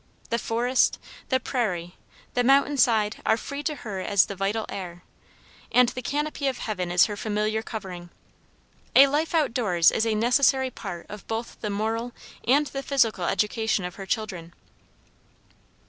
The forest, the prairie, the mountain side are free to her as the vital air, and the canopy of heaven is her familiar covering. A life out doors is a necessary part of both the moral and the physical education of her children.